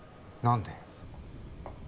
何で？